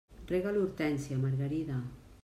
Rega l'hortènsia, Margarida.